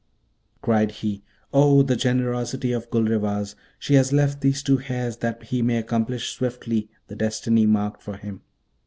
Cried he, 'Oh, the generosity of Gulrevaz! she has left these two hairs that he may accomplish swiftly the destiny marked for him!